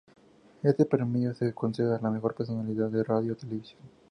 Este premio se concede a la mejor personalidad de radio o televisión.